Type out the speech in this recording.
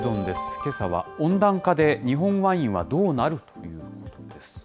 けさは温暖化で日本ワインはどうなる？です。